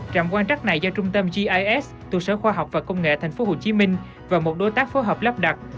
trạm quan trắc này do trung tâm gis tổ sở khoa học và công nghệ thành phố hồ chí minh và một đối tác phối hợp lắp đặt